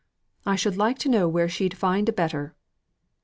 I should like to know where she'd find a better!"